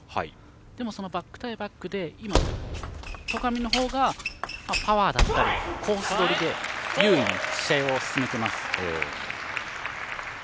でも、そのバック対バックで今、戸上の方がパワーだったりコースどりで有利に試合を進めています。